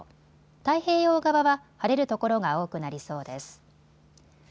太平洋側は晴れる所が多くなりそうです。